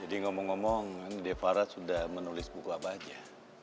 jadi ngomong ngomong kan devara sudah menulis buku apa aja